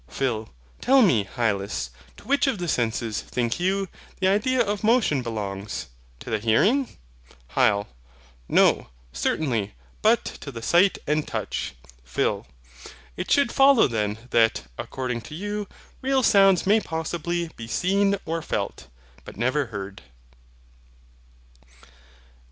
PHIL. Tell me, Hylas, to which of the senses, think you, the idea of motion belongs? to the hearing? HYL. No, certainly; but to the sight and touch. PHIL. It should follow then, that, according to you, real sounds may possibly be SEEN OR FELT, but never HEARD.